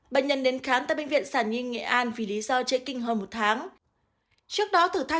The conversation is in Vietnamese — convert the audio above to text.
bệnh nhân đến khám tại bệnh viện sản nhi nghệ an vì lý do trễ kinh hơn một tháng trước đó thử thai